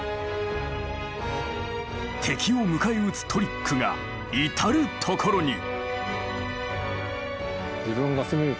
敵を迎え撃つトリックが至る所に。